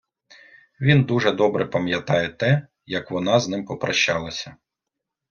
він дуже добре пам'ятає те, як вона з ним попрощалася